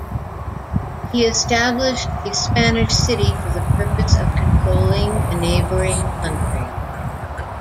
He established a Spanish city for the purpose of controlling the neighboring country.